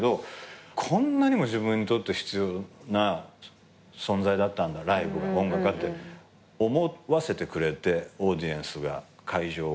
こんなにも自分にとって必要な存在だったんだライブが音楽がって思わせてくれてオーディエンスが会場が。